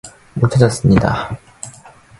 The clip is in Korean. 못 찾았습니다.